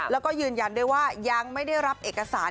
แล้วก็ยืนยันด้วยว่ายังไม่ได้รับเอกสาร